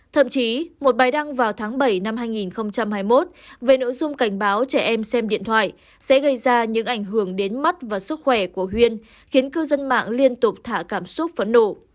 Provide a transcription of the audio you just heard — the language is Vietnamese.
thậm chí một bài đăng vào tháng bảy năm hai nghìn hai mươi một về nội dung cảnh báo trẻ em xem điện thoại sẽ gây ra những ảnh hưởng đến mắt và sức khỏe của huyên khiến cư dân mạng liên tục thả cảm xúc phấn nổ